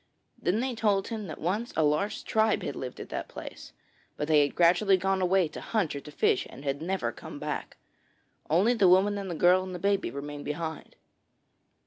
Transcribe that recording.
Then they told him that once a large tribe had lived at that place, but they had gradually gone away to hunt or to fish and had never come back. Only the woman and the girl and the baby remained behind.